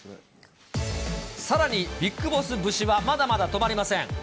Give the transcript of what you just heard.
さらに、ビッグボス節はまだまだ止まりません。